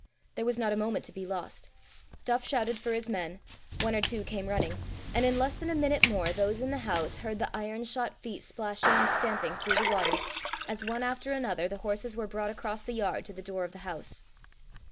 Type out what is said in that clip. There was not a moment to be lost. Duff shouted for his men; one or two came running; and in less than a minute more those in the house heard the iron shod feet splashing and stamping through the water, as, one after another, the horses were brought across the yard to the door of the house.